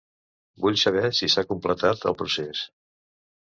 Vull saber si s'ha completat el procés.